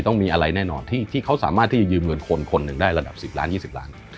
ต้องมีอะไรแน่นอนที่เขาสามารถที่จะยืมเงินคนคนหนึ่งได้ระดับ๑๐ล้าน๒๐ล้าน